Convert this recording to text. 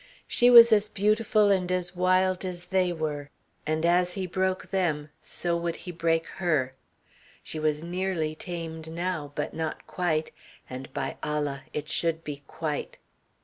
She was as beautiful and as wild as they were. And as he broke them so would he break her. She was nearly tamed now, but not quite, and by Allah! it should be quite!